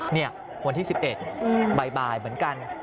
นี่วันที่๑๑บ่ายเหมือนกัน